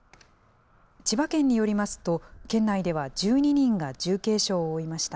千葉県によりますと、県内では１２人が重軽傷を負いました。